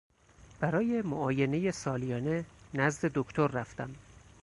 برای معاینه سالیانه نزد دکتر رفتم.